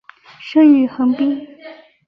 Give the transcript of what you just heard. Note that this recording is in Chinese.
生于横滨。